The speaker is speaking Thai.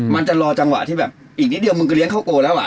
มันจะรอจังหวะที่แบบอีกนิดเดียวมึงก็เลี้ยเข้าโกแล้วอ่ะ